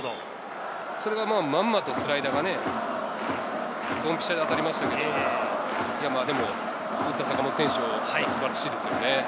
それがまんまとスライダーがドンピシャで当たりましたけど、打った坂本選手、素晴らしいですよね。